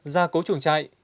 ra cố chuồng chạy